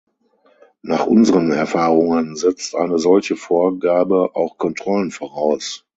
Nach unseren Erfahrungen setzt eine solche Vorgabe auch Kontrollen voraus.